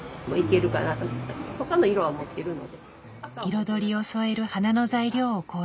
彩りを添える花の材料を購入。